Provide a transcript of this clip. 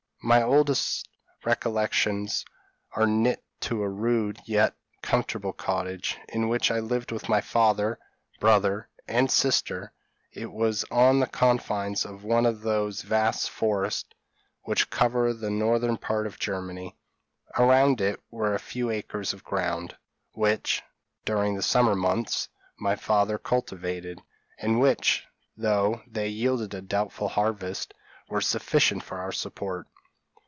My oldest recollections are knit to a rude, yet comfortable cottage, in which I lived with my father, brother, and sister. It was on the confines of one of those vast forests which cover the northern part of Germany; around it were a few acres of ground, which, during the summer months, my father cultivated, and which, though they yielded a doubtful harvest, were sufficient for our support.